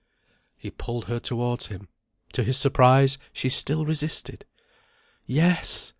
He pulled her towards him. To his surprise, she still resisted. Yes!